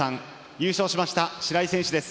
優勝しました、白井選手です。